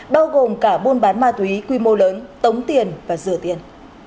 bao gồm cả buôn bán ma túy quy mô lớn tống tiền và rửa tiền